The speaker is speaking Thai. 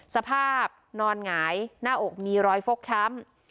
สภาพนอนหงายหน้าอกมีรอยฟกช้ำ